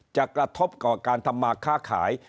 กระทบต่อการทำมาค้าขาย